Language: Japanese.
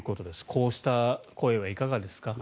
こうした声はいかがですか。